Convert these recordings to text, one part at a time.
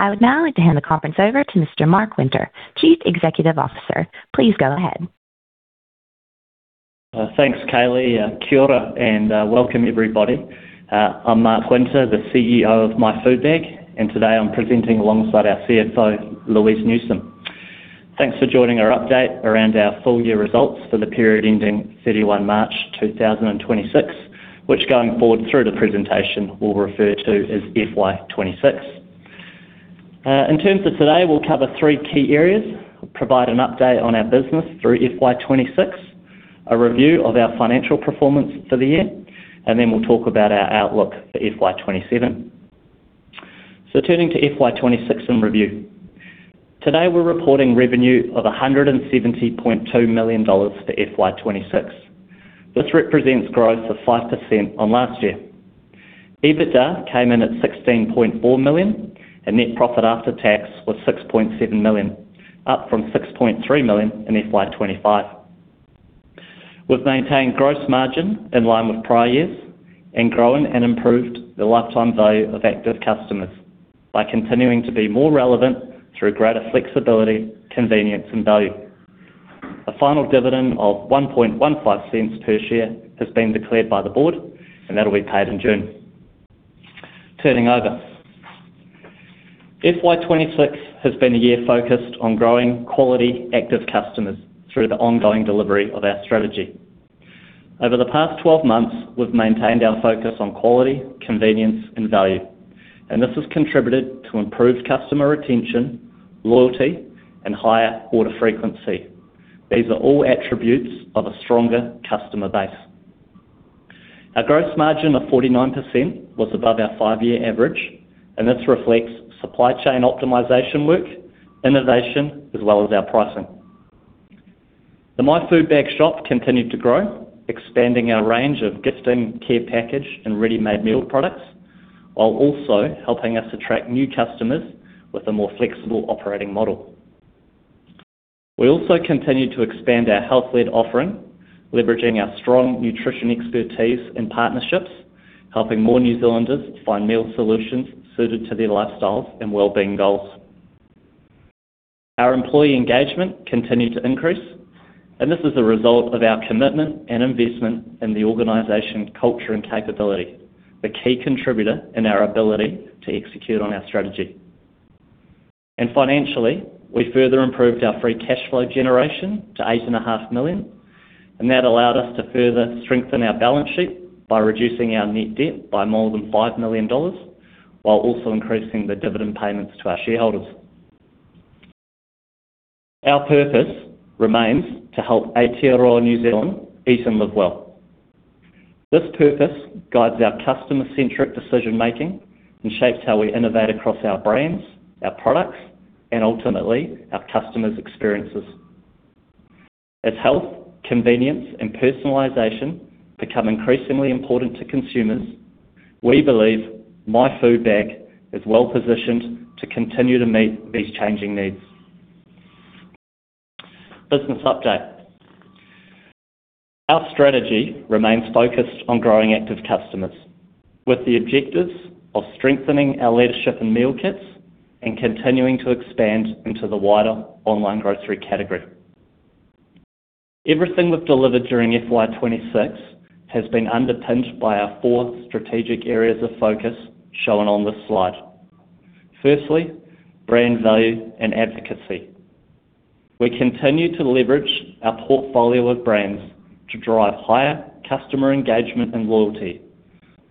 I would now like to hand the conference over to Mr Mark Winter, Chief Executive Officer. Please go ahead. Thanks, Kaylee. Kia ora, and welcome everybody. I'm Mark Winter, the CEO of My Food Bag, and today I'm presenting alongside our CFO, Louise Newsome. Thanks for joining our update around our full year results for the period ending 31 March 2026, which going forward through the presentation, we'll refer to as FY 2026. In terms of today, we'll cover three key areas, provide an update on our business through FY 2026, a review of our financial performance for the year, and then we'll talk about our outlook for FY 2027. Turning to FY 2026 and review. Today, we're reporting revenue of 170.2 million dollars for FY 2026. This represents growth of 5% on last year. EBITDA came in at 16.4 million, and net profit after tax was 6.7 million, up from 6.3 million in FY 2025. We've maintained gross margin in line with prior years and grown and improved the lifetime value of active customers by continuing to be more relevant through greater flexibility, convenience, and value. A final dividend of 0.0115 per share has been declared by the board, and that'll be paid in June. Turning over. FY 2026 has been a year focused on growing quality active customers through the ongoing delivery of our strategy. Over the past 12 months, we've maintained our focus on quality, convenience, and value, and this has contributed to improved customer retention, loyalty, and higher order frequency. These are all attributes of a stronger customer base. Our gross margin of 49% was above our five-year average, and this reflects supply chain optimization work, innovation, as well as our pricing. The My Food Bag Shop continued to grow, expanding our range of gifting, care package, and ready-made meal products, while also helping us attract new customers with a more flexible operating model. We also continued to expand our health-led offering, leveraging our strong nutrition expertise and partnerships, helping more New Zealanders find meal solutions suited to their lifestyles and wellbeing goals. Our employee engagement continued to increase. This is a result of our commitment and investment in the organization culture and capability, the key contributor in our ability to execute on our strategy. Financially, we further improved our free cash flow generation to 8.5 million. That allowed us to further strengthen our balance sheet by reducing our net debt by more than 5 million dollars, while also increasing the dividend payments to our shareholders. Our purpose remains to help Aotearoa New Zealand eat and live well. This purpose guides our customer-centric decision making and shapes how we innovate across our brands, our products, and ultimately, our customers' experiences. As health, convenience, and personalization become increasingly important to consumers, we believe My Food Bag is well-positioned to continue to meet these changing needs. Business update. Our strategy remains focused on growing active customers with the objectives of strengthening our leadership in meal kits and continuing to expand into the wider online grocery category. Everything we've delivered during FY 2026 has been underpinned by our four strategic areas of focus shown on this slide. Firstly, brand value and advocacy. We continue to leverage our portfolio of brands to drive higher customer engagement and loyalty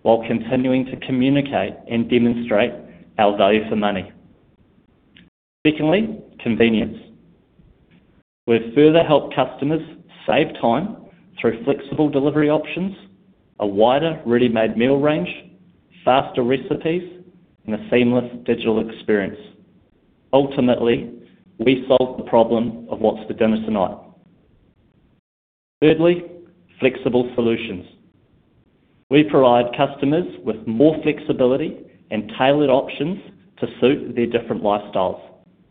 while continuing to communicate and demonstrate our value for money. Secondly, convenience. We've further helped customers save time through flexible delivery options, a wider ready-made meal range, faster recipes, and a seamless digital experience. Ultimately, we solve the problem of what's for dinner tonight. Thirdly, flexible solutions. We provide customers with more flexibility and tailored options to suit their different lifestyles,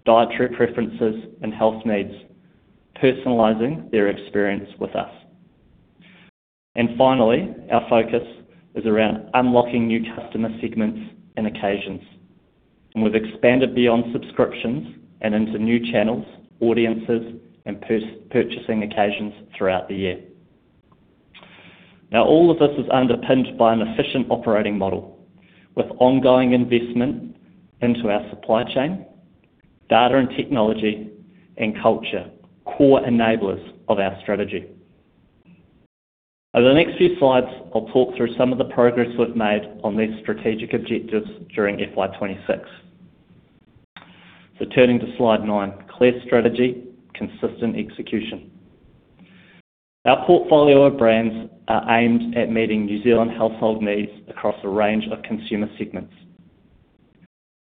dietary preferences, and health needs, personalizing their experience with us. Finally, our focus is around unlocking new customer segments and occasions. We've expanded beyond subscriptions and into new channels, audiences, and purchasing occasions throughout the year. All of this is underpinned by an efficient operating model with ongoing investment into our supply chain, data and technology, and culture, core enablers of our strategy. Over the next few slides, I'll talk through some of the progress we've made on these strategic objectives during FY 2026. Turning to slide nine, clear strategy, consistent execution. Our portfolio of brands are aimed at meeting New Zealand household needs across a range of consumer segments.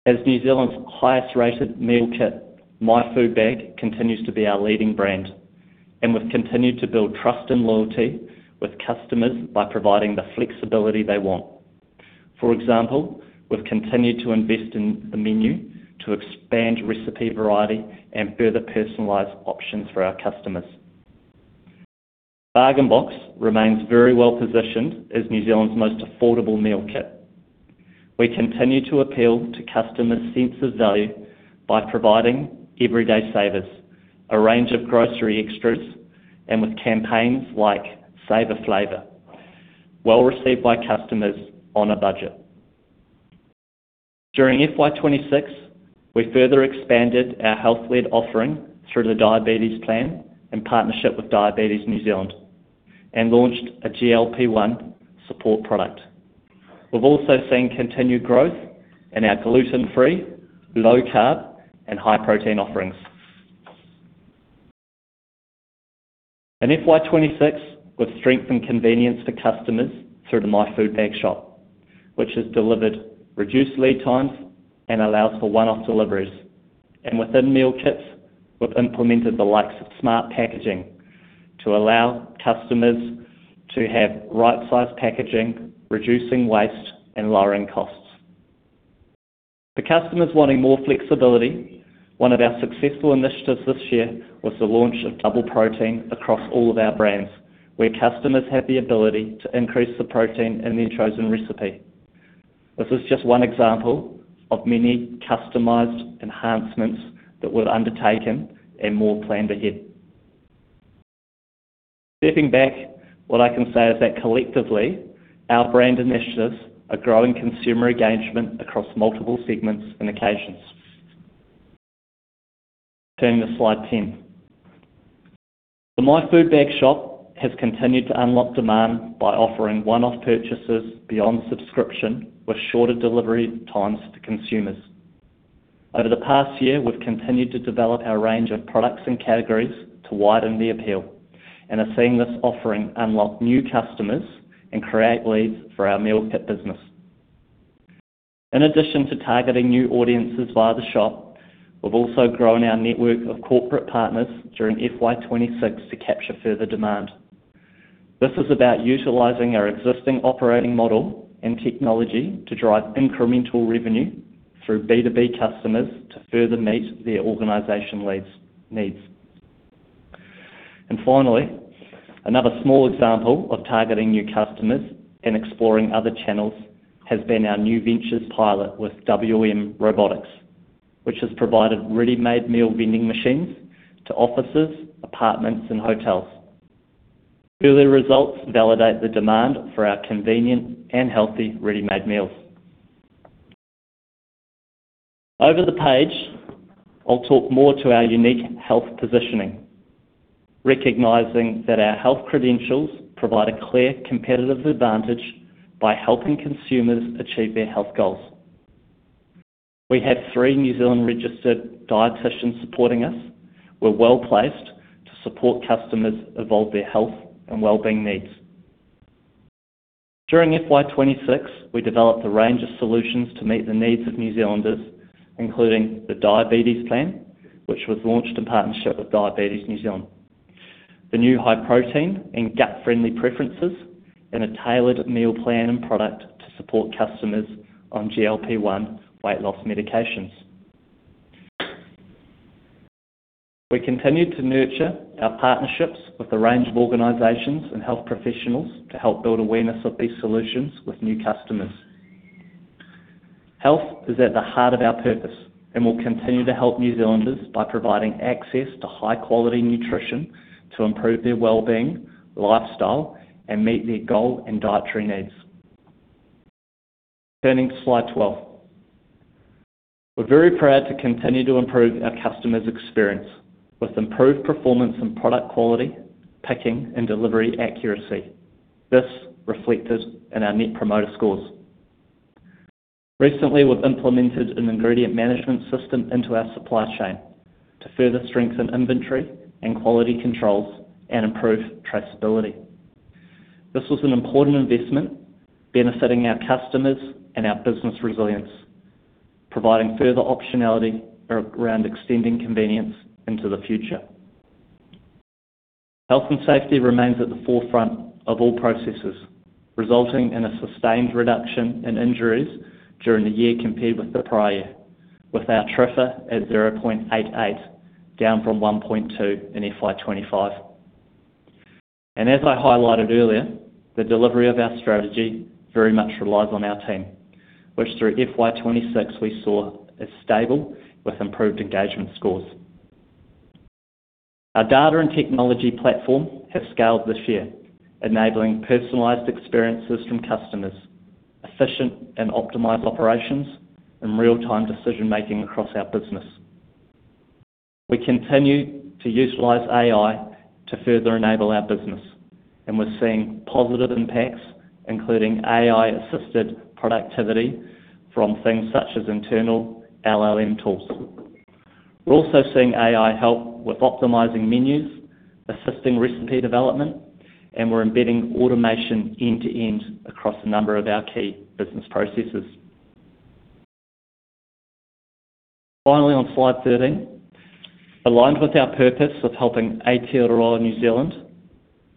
As New Zealand's highest-rated meal kit, My Food Bag continues to be our leading brand, and we've continued to build trust and loyalty with customers by providing the flexibility they want. For example, we've continued to invest in the menu to expand recipe variety and further personalize options for our customers. Bargain Box remains very well-positioned as New Zealand's most affordable meal kit. We continue to appeal to customers' sense of value by providing everyday savers, a range of grocery extras, and with campaigns like Saver Flavour, well-received by customers on a budget. During FY 2026, we further expanded our health-led offering through the Diabetes Plan in partnership with Diabetes New Zealand, and launched a GLP-1 support product. We've also seen continued growth in our gluten-free, low-carb, and high-protein offerings. In FY 2026, with strength and convenience for customers through the My Food Bag Shop, which has delivered reduced lead times and allows for one-off deliveries. Within meal kits, we've implemented the likes of smart packaging to allow customers to have right-sized packaging, reducing waste and lowering costs. For customers wanting more flexibility, one of our successful initiatives this year was the launch of Double Protein across all of our brands, where customers have the ability to increase the protein in their chosen recipe. This is just one example of many customized enhancements that we're undertaking and more planned ahead. Stepping back, what I can say is that collectively, our brand initiatives are growing consumer engagement across multiple segments and occasions. Turning to slide 10. The My Food Bag Shop has continued to unlock demand by offering one-off purchases beyond subscription, with shorter delivery times to consumers. Over the past year, we've continued to develop our range of products and categories to widen the appeal and are seeing this offering unlock new customers and create leads for our meal kit business. In addition to targeting new audiences via the shop, we've also grown our network of corporate partners during FY 2026 to capture further demand. This is about utilizing our existing operating model and technology to drive incremental revenue through B2B customers to further meet their organization needs. Finally, another small example of targeting new customers and exploring other channels has been our new ventures pilot with WM Robotics, which has provided ready-made meal vending machines to offices, apartments, and hotels. Early results validate the demand for our convenient and healthy ready-made meals. Over the page, I'll talk more to our unique health positioning, recognizing that our health credentials provide a clear competitive advantage by helping consumers achieve their health goals. We have three New Zealand-registered dieticians supporting us. We're well-placed to support customers evolve their health and wellbeing needs. During FY 2026, we developed a range of solutions to meet the needs of New Zealanders, including the Diabetes Plan, which was launched in partnership with Diabetes New Zealand. The new high-protein and gut-friendly preferences, and a tailored meal plan and product to support customers on GLP-1 weight loss medications. We continued to nurture our partnerships with a range of organizations and health professionals to help build awareness of these solutions with new customers. Health is at the heart of our purpose, and we'll continue to help New Zealanders by providing access to high-quality nutrition to improve their wellbeing, lifestyle, and meet their goal and dietary needs. Turning to slide 12. We're very proud to continue to improve our customers' experience with improved performance and product quality, picking, and delivery accuracy. This reflected in our net promoter scores. Recently, we've implemented an ingredient management system into our supply chain to further strengthen inventory and quality controls and improve traceability. This was an important investment benefiting our customers and our business resilience, providing further optionality around extending convenience into the future. Health and safety remains at the forefront of all processes, resulting in a sustained reduction in injuries during the year compared with the prior, with our TRIFR at 0.88, down from 1.2 in FY 2025. As I highlighted earlier, the delivery of our strategy very much relies on our team, which through FY 2026 we saw as stable with improved engagement scores. Our data and technology platform has scaled this year, enabling personalized experiences from customers, efficient and optimized operations, and real-time decision-making across our business. We continue to utilize AI to further enable our business, we're seeing positive impacts, including AI-assisted productivity from things such as internal LLM tools. We're also seeing AI help with optimizing menus, assisting recipe development, and we're embedding automation end to end across a number of our key business processes. Finally, on slide 13. Aligned with our purpose of helping Aotearoa, New Zealand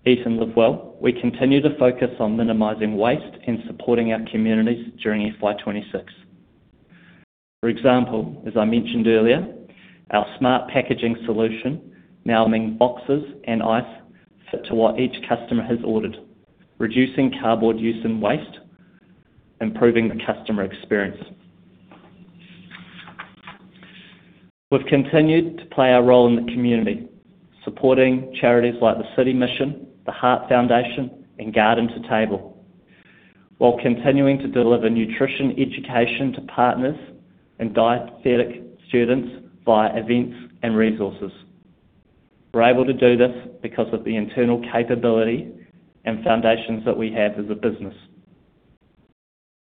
eat and live well, we continue to focus on minimizing waste and supporting our communities during FY 2026. For example, as I mentioned earlier, our smart packaging solution now means boxes and ice fit to what each customer has ordered, reducing cardboard use and waste, improving the customer experience. We've continued to play a role in the community, supporting charities like the City Mission, the Heart Foundation, and Garden to Table, while continuing to deliver nutrition education to partners and dietetic students via events and resources. We're able to do this because of the internal capability and foundations that we have as a business.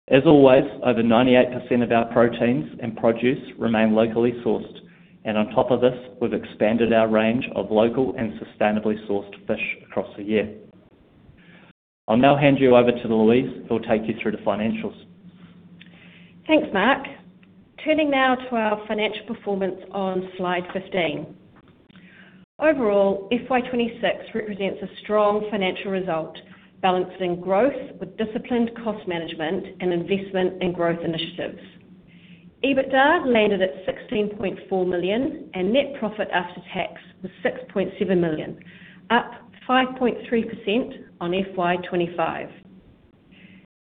As always, over 98% of our proteins and produce remain locally sourced. On top of this, we've expanded our range of local and sustainably sourced fish across the year. I'll now hand you over to Louise Newsome, who will take you through the financials. Thanks, Mark. Turning now to our financial performance on slide 15. Overall, FY 2026 represents a strong financial result, balancing growth with disciplined cost management, and investment in growth initiatives. EBITDA landed at 16.4 million, and net profit after tax was 6.7 million, up 5.3% on FY 2025.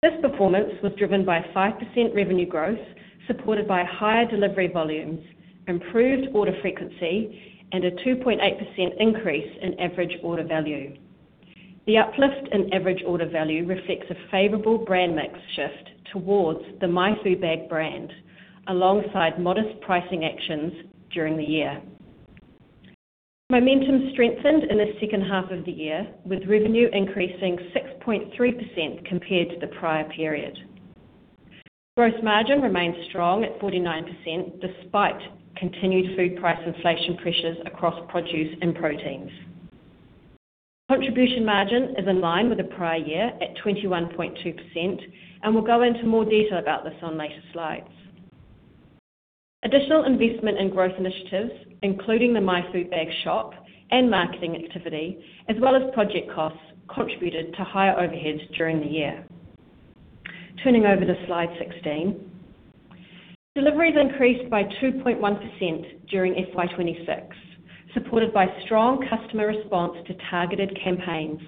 This performance was driven by 5% revenue growth, supported by higher delivery volumes, improved order frequency, and a 2.8% increase in average order value. The uplift in average order value reflects a favorable brand mix shift towards the My Food Bag brand, alongside modest pricing actions during the year. Momentum strengthened in the second half of the year, with revenue increasing 6.3% compared to the prior period. Gross margin remains strong at 49%, despite continued food price inflation pressures across produce and proteins. Contribution margin is in line with the prior year at 21.2%, and we'll go into more detail about this on later slides. Additional investment in growth initiatives, including the My Food Bag Shop and marketing activity, as well as project costs, contributed to higher overheads during the year. Turning over to slide 16. Deliveries increased by 2.1% during FY 2026, supported by strong customer response to targeted campaigns,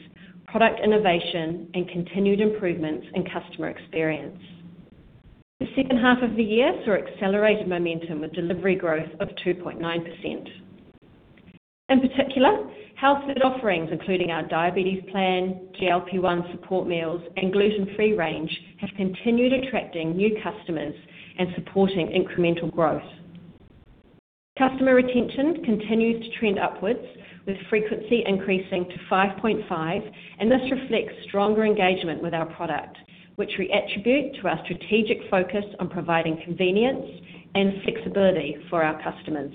product innovation, and continued improvements in customer experience. The second half of the year saw accelerated momentum, with delivery growth of 2.9%. In particular, health food offerings, including our Diabetes Plan, GLP-1 support meals, and gluten-free range, have continued attracting new customers and supporting incremental growth. Customer retention continues to trend upwards, with frequency increasing to 5.5%, and this reflects stronger engagement with our product, which we attribute to our strategic focus on providing convenience and flexibility for our customers.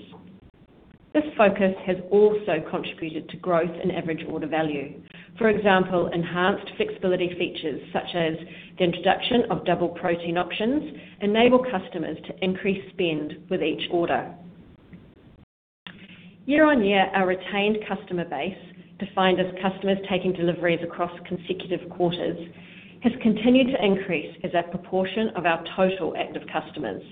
This focus has also contributed to growth in average order value. For example, enhanced flexibility features such as the introduction of double protein options enable customers to increase spend with each order. Year on year, our retained customer base, defined as customers taking deliveries across consecutive quarters, has continued to increase as a proportion of our total active customers.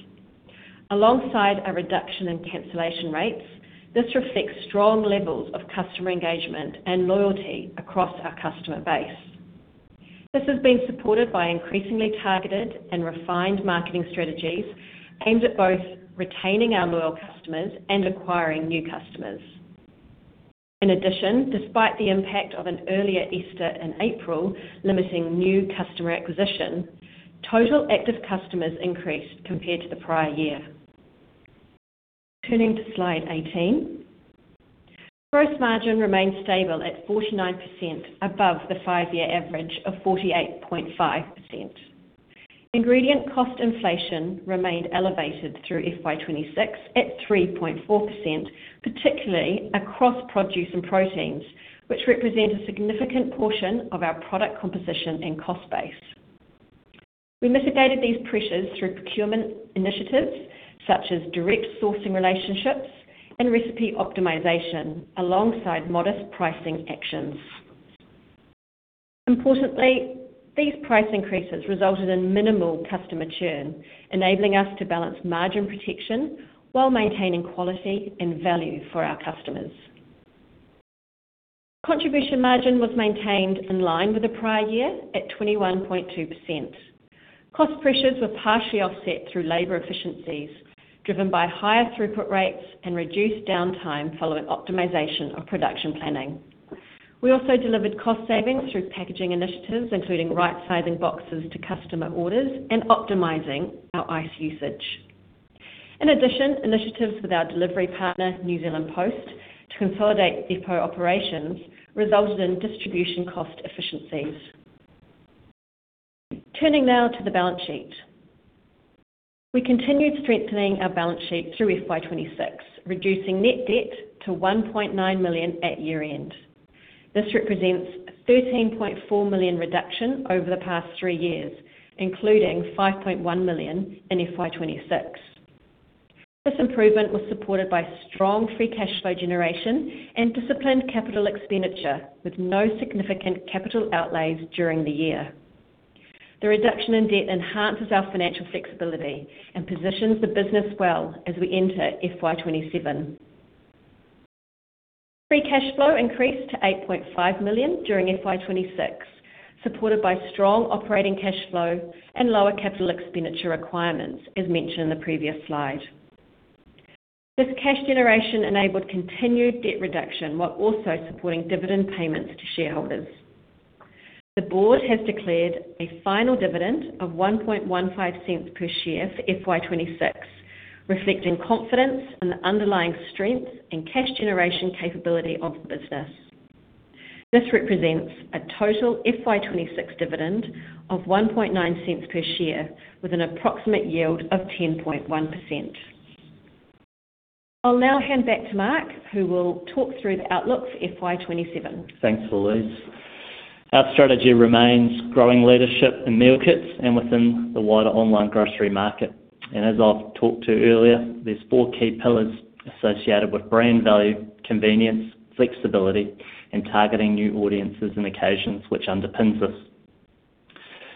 Alongside a reduction in cancellation rates, this reflects strong levels of customer engagement and loyalty across our customer base. This has been supported by increasingly targeted and refined marketing strategies aimed at both retaining our loyal customers and acquiring new customers. In addition, despite the impact of an earlier Easter in April limiting new customer acquisition, total active customers increased compared to the prior year. Turning to slide 18. Gross margin remained stable at 49%, above the five-year average of 48.5%. Ingredient cost inflation remained elevated through FY 2026 at 3.4%, particularly across produce and proteins, which represent a significant portion of our product composition and cost base. We mitigated these pressures through procurement initiatives such as direct sourcing relationships and recipe optimization, alongside modest pricing actions. Importantly, these price increases resulted in minimal customer churn, enabling us to balance margin protection while maintaining quality and value for our customers. Contribution margin was maintained in line with the prior year at 21.2%. Cost pressures were partially offset through labor efficiencies, driven by higher throughput rates and reduced downtime following optimization of production planning. We also delivered cost savings through packaging initiatives, including right-sizing boxes to customer orders and optimizing our ice usage. In addition, initiatives with our delivery partner, New Zealand Post, to consolidate depot operations resulted in distribution cost efficiencies. Turning now to the balance sheet. We continued strengthening our balance sheet through FY 2026, reducing net debt to 1.9 million at year-end. This represents a 13.4 million reduction over the past three years, including 5.1 million in FY 2026. This improvement was supported by strong free cash flow generation and disciplined capital expenditure, with no significant capital outlays during the year. The reduction in debt enhances our financial flexibility and positions the business well as we enter FY 2027. Free cash flow increased to 8.5 million during FY 2026, supported by strong operating cash flow and lower capital expenditure requirements, as mentioned in the previous slide. This cash generation enabled continued debt reduction while also supporting dividend payments to shareholders. The board has declared a final dividend of 0.0115 per share for FY 2026, reflecting confidence in the underlying strength and cash generation capability of the business. This represents a total FY 2026 dividend of 0.019 per share with an approximate yield of 10.1%. I'll now hand back to Mark, who will talk through the outlook for FY 2027. Thanks, Louise. Our strategy remains growing leadership in meal kits and within the wider online grocery market. As I've talked to earlier, there's four key pillars associated with brand value, convenience, flexibility, and targeting new audiences and occasions which underpins this.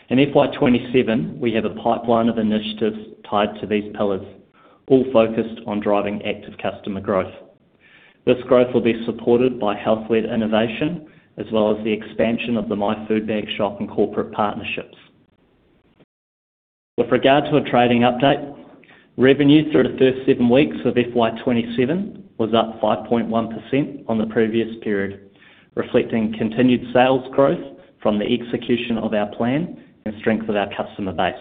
In FY 2027, we have a pipeline of initiatives tied to these pillars, all focused on driving active customer growth. This growth will be supported by health-led innovation as well as the expansion of the My Food Bag Shop and corporate partnerships. With regard to a trading update, revenue through the first seven weeks of FY 2027 was up 5.1% on the previous period, reflecting continued sales growth from the execution of our plan and strength of our customer base.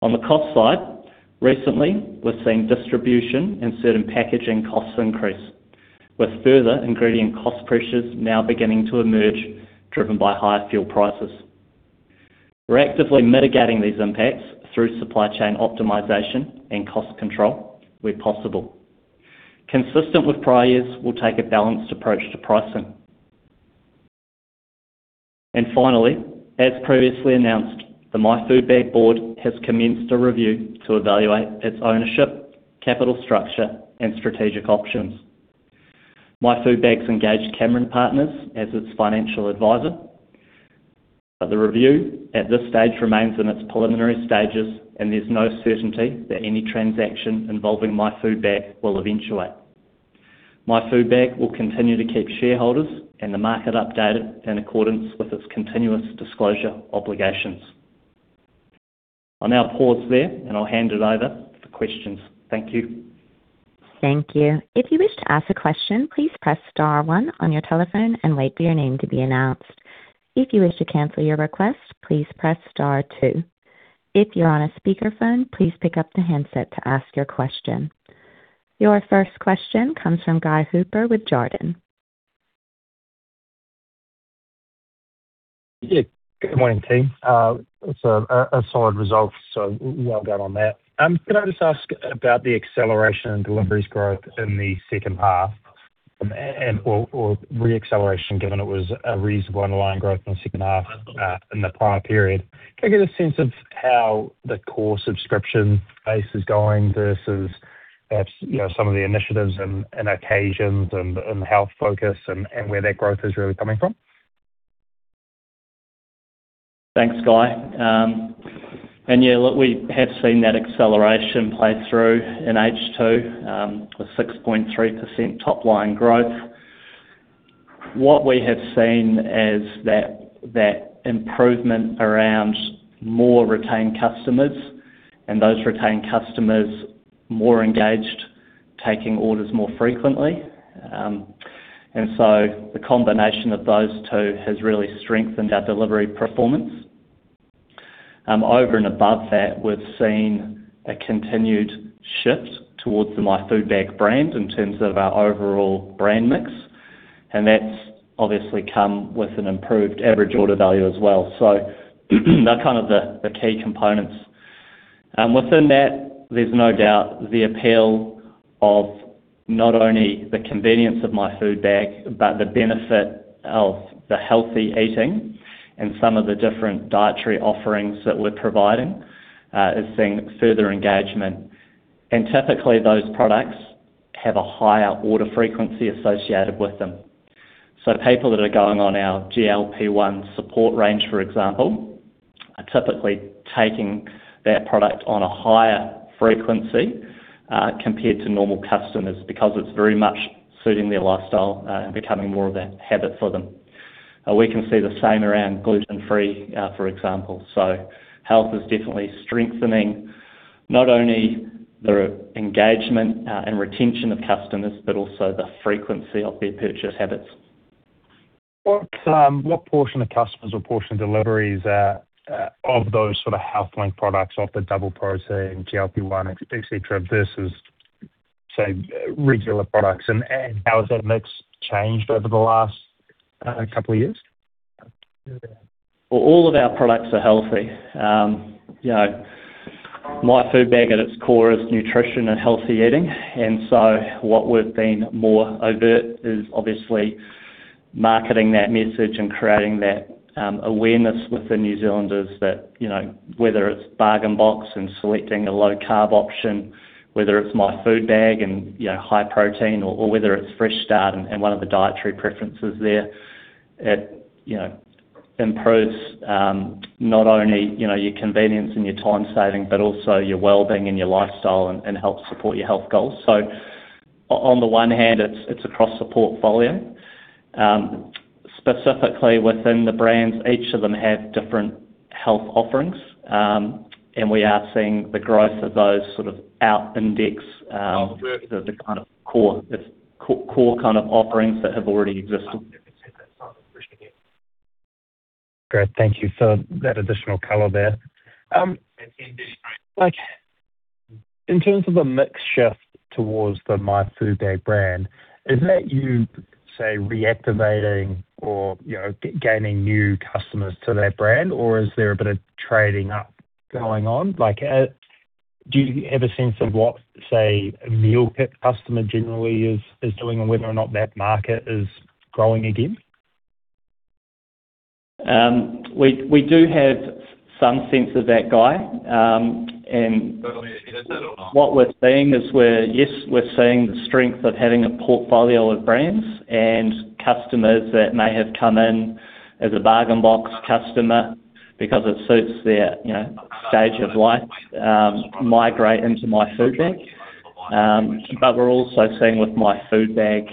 On the cost side, recently, we're seeing distribution and certain packaging costs increase, with further ingredient cost pressures now beginning to emerge, driven by higher fuel prices. We're actively mitigating these impacts through supply chain optimization and cost control where possible. Consistent with prior years, we'll take a balanced approach to pricing. Finally, as previously announced, the My Food Bag board has commenced a review to evaluate its ownership, capital structure, and strategic options. My Food Bag's engaged Cameron Partners as its financial advisor. The review at this stage remains in its preliminary stages, and there's no certainty that any transaction involving My Food Bag will eventuate. My Food Bag will continue to keep shareholders and the market updated in accordance with its continuous disclosure obligations. I'll now pause there, and I'll hand it over for questions. Thank you. Thank you. If you wish to ask a question, please press star one on your telephone and wait for your name to be announced. If you wish to cancel your request, please press star two. If you are on a speakerphone, please pick up the handset to ask your question. Your first question comes from Guy Hooper with Jarden. Yeah. Good morning, team. It's a solid result, so well done on that. Can I just ask about the acceleration in deliveries growth in the second half or re-acceleration, given it was a reasonable underlying growth in the second half in the prior period. Can I get a sense of how the core subscription base is going versus perhaps some of the initiatives in occasions and health focus and where that growth is really coming from? Thanks, Guy. Yeah, look, we have seen that acceleration play through in H2, with 6.3% top-line growth. What we have seen is that improvement around more retained customers and those retained customers more engaged, taking orders more frequently. The combination of those two has really strengthened our delivery performance. Over and above that, we've seen a continued shift towards the My Food Bag brand in terms of our overall brand mix, and that's obviously come with an improved average order value as well. They're kind of the key components. Within that, there's no doubt the appeal of not only the convenience of My Food Bag but the benefit of the healthy eating and some of the different dietary offerings that we're providing is seeing further engagement. Typically, those products have a higher order frequency associated with them. People that are going on our GLP-1 support range, for example, are typically taking that product on a higher frequency compared to normal customers because it is very much suiting their lifestyle and becoming more of a habit for them. We can see the same around gluten-free, for example. Health is definitely strengthening not only the engagement and retention of customers, but also the frequency of their purchase habits. What portion of customers or portion deliveries are of those sort of health-linked products, of the double protein, GLP-1, et cetera, versus, say, regular products? How has that mix changed over the last couple of years? All of our products are healthy. My Food Bag at its core is nutrition and healthy eating. What we've been more of it, is obviously marketing that message and creating that awareness with the New Zealanders that, whether it's Bargain Box and selecting a low-carb option, whether it's My Food Bag and high protein, or whether it's Fresh Start and one of the dietary preferences there, it improves not only your convenience and your time saving, but also your wellbeing and your lifestyle and helps support your health goals. On the one hand, it's across the portfolio. Specifically within the brands, each of them have different health offerings. We are seeing the growth of those sort of out index, the kind of core offerings that have already existed. Great. Thank you for that additional color there. In terms of a mix shift towards the My Food Bag brand, is that you, say, reactivating or gaining new customers to that brand or is there a bit of trading up going on? Do you have a sense of what, say, a meal kit customer generally is doing and whether or not that market is growing again? We do have some sense of that Guy. Is it or not? What we're seeing is, yes, we're seeing the strength of having a portfolio of brands and customers that may have come in as a Bargain Box customer because it suits their stage of life, migrate into My Food Bag. We're also seeing with My Food Bag,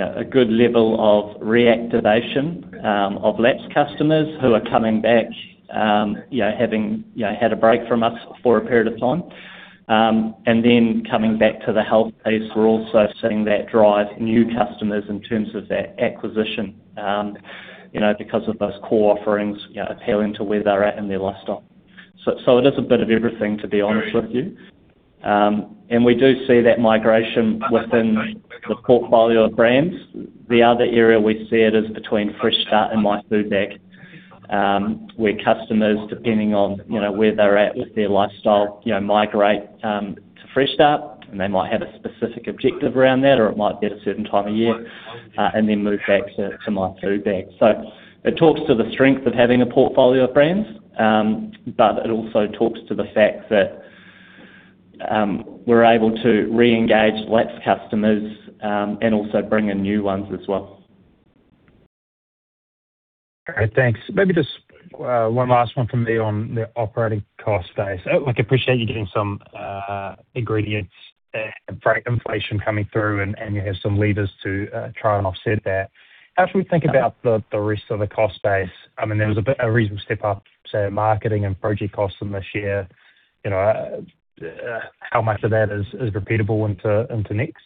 a good level of reactivation of lapsed customers who are coming back, having had a break from us for a period of time. Coming back to the health piece, we're also seeing that drive new customers in terms of that acquisition, because of those core offerings appealing to where they're at in their lifestyle. It is a bit of everything, to be honest with you. We do see that migration within the portfolio of brands. The other area we see it is between Fresh Start and My Food Bag, where customers, depending on where they're at with their lifestyle, migrate to Fresh Start, and they might have a specific objective around that, or it might be at a certain time of year, and then move back to My Food Bag. It talks to the strength of having a portfolio of brands, but it also talks to the fact that we're able to re-engage lapsed customers, and also bring in new ones as well. All right. Thanks. Maybe just one last one from me on the operating cost base. I appreciate you doing some ingredients there, freight inflation coming through and you have some levers to try and offset that. As we think about the rest of the cost base, there was a reasonable step up, say, in marketing and project costs in this year, how much of that is repeatable into next?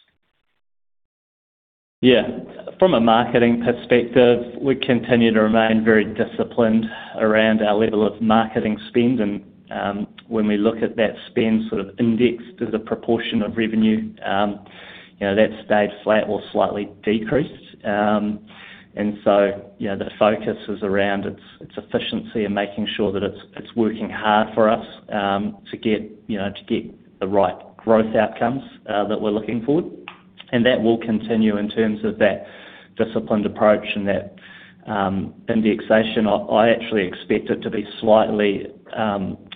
From a marketing perspective, we continue to remain very disciplined around our level of marketing spend. When we look at that spend sort of indexed as a proportion of revenue, that stayed flat or slightly decreased. The focus is around its efficiency and making sure that it's working hard for us, to get the right growth outcomes that we're looking for. That will continue in terms of that disciplined approach and that indexation. I actually expect it to be slightly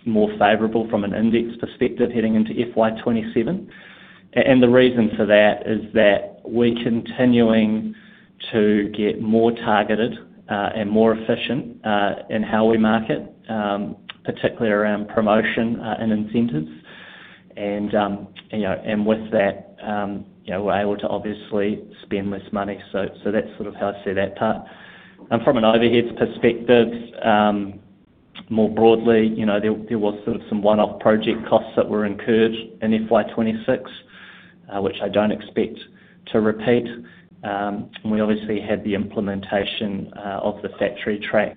more favorable from an index perspective heading into FY 2027. The reason for that is that we're continuing to get more targeted, and more efficient in how we market, particularly around promotion and incentives. With that, we're able to obviously spend less money. That's sort of how I see that part. From an overhead perspective, more broadly, there was some one-off project costs that were incurred in FY 2026, which I don't expect to repeat. We obviously had the implementation of the FactoryTrack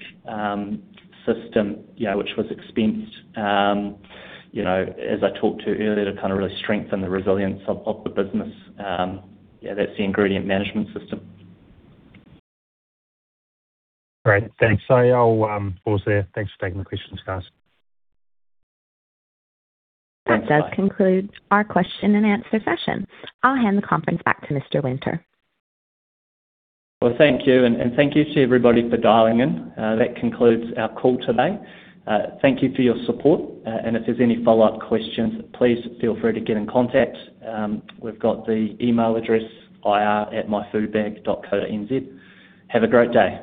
system, which was expensed, as I talked to earlier, to kind of really strengthen the resilience of the business. That's the ingredient management system. Great. Thanks. I'll pause there. Thanks for taking the questions, guys. That does conclude our question and answer session. I'll hand the conference back to Mr. Winter. Well, thank you. Thank you to everybody for dialing in. That concludes our call today. Thank you for your support. If there's any follow-up questions, please feel free to get in contact. We've got the email address, ir@myfoodbag.co.nz. Have a great day.